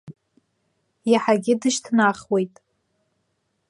Иаҳагьы дышьҭнахуеит.